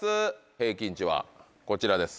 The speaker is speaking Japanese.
平均値はこちらです。